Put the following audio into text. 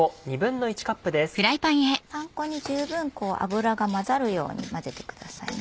パン粉に十分油が混ざるように混ぜてくださいね。